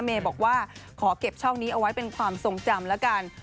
เมย์บอกว่าขอเก็บช่องนี้เอาไว้เป็นความทรงจำแล้วกัน